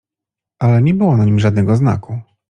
"Ale nie było na nim żadnego znaku."